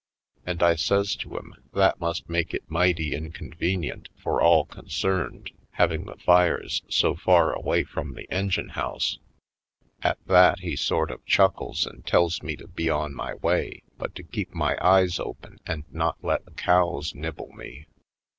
And I says to him, that must make it mighty in convenient for all concerned, having the fires so far away from the engine house. 66 J. Poindextery Colored At that he sort of chuckles and tells me to be on my way, but to keep my eyes open and not let the cows nibble me.